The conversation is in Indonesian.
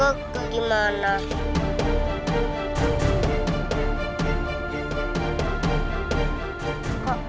aku di mana sih